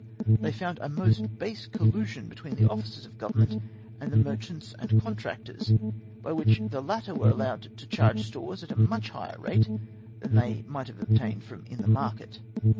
They found a most base collusion between the officers of Government and the merchants and contractors, by which the latter were allowed to charge stores at a much higher rate than they might have been obtained for in the market.